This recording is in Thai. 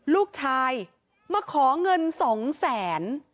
ลูกชายมาของเงิน๒๐๐๐๐๐บาท